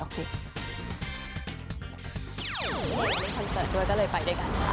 พี่เนมได้คอนเซิร์ตด้วยก็เลยไปด้วยกันค่ะ